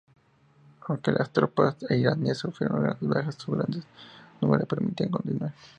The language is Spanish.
Aunque las tropas iraníes sufrieron grandes bajas, sus grandes números les permitían continuar.